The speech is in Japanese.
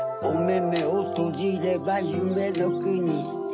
おめめをとじればゆめのくに